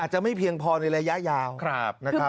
อาจจะไม่เพียงพอในระยะยาวครับนะครับ